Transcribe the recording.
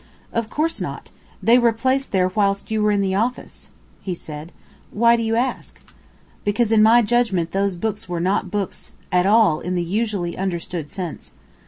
"Of course not. They were placed there whilst you were in the office," he said. "Why do you ask?" "Because in my judgment those books were not books at all in the usually understood sense.